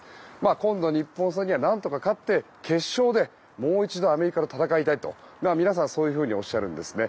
今度日本戦には何とか勝って決勝でもう一度アメリカと戦いたいとおっしゃるんですね。